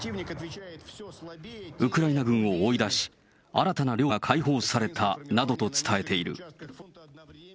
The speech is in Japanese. ウクライナ軍を追い出し、新たな領土が解放されたなどと伝えている。